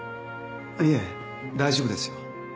いえ大丈夫ですよ。